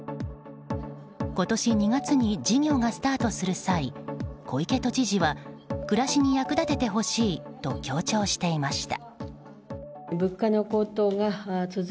今年２月に事業がスタートする際小池都知事は暮らしに役立ててほしいと強調していました。